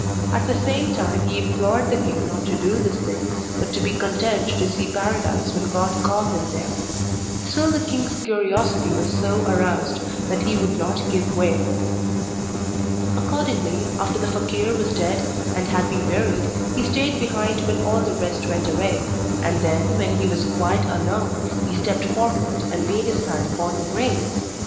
At the same time he implored the king not to do this thing, but to be content to see Paradise when God called him there. Still the king's curiosity was so aroused that he would not give way. Accordingly, after the fakeer was dead, and had been buried, he stayed behind when all the rest went away; and then, when he was quite alone, he stepped forward, and laid his hand upon the grave!